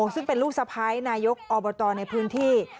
ซึ่งเป็นลูกสะพ้ายนายกอบตในพื้นที่